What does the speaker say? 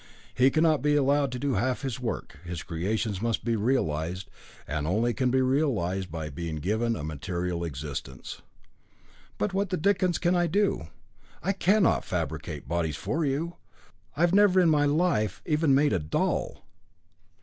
He cannot be allowed to half do his work. His creations must be realised, and can only be realised by being given a material existence. "But what the dickens can I do? I cannot fabricate bodies for you. I never in my life even made a doll."